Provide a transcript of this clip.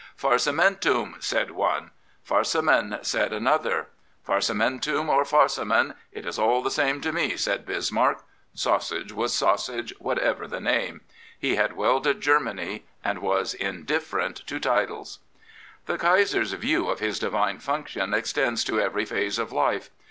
" Farcimentum,'' said one. " Farcimen," said another. " Farcimentum or farcimen, it is all the same to me/* said Bismarck. Sausage was sausage, whatever the name. He had welded Germany and was indifferent to titles. The Kaiser*s view of his divine function extends to every phase of life.